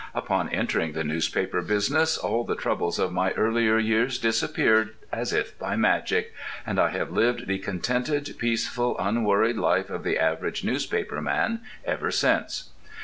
Upon entering the newspaper business all the troubles of my earlier years disappeared as if by magic, and I have lived the contented, peaceful, unworried life of the average newspaper man ever since.